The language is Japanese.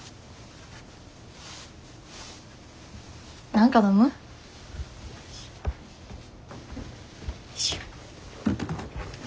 何か飲む？よいしょ。